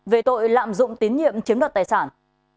về tội lạm dụng tín nhiệm chiếm đoạt tài sản